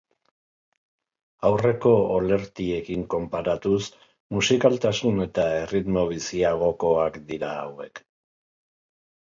Aurreko olertiekin konparatuz, musikaltasun eta erritmo biziagokoak dira hauek.